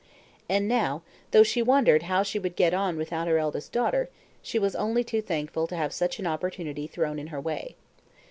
And now, though she wondered how she would get on without her eldest daughter, she was only too thankful to have such an opportunity thrown in her way.